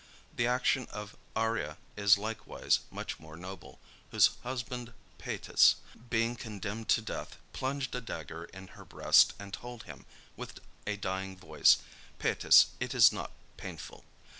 The action of Arria is likewise much more noble, whose husband Pætus, being condemned to death, plunged a dagger in her breast, and told him, with a dying voice, "Pætus, it is not painful."